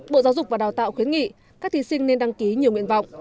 bộ giáo dục và đào tạo khuyến nghị các thí sinh nên đăng ký nhiều nguyện vọng